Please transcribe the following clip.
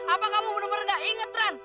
apa kamu bener bener gak inget ran